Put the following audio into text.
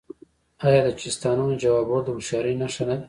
آیا د چیستانونو ځوابول د هوښیارۍ نښه نه ده؟